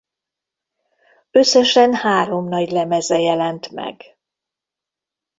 Összesen három nagylemeze jelent meg.